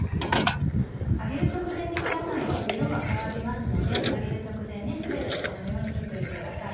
揚げる直前に切らないと色が変わりますので揚げる直前に全てこのように切っておいてください。